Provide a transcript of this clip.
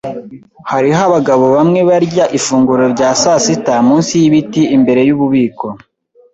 Hariho abagabo bamwe barya ifunguro rya sasita munsi yibiti imbere yububiko.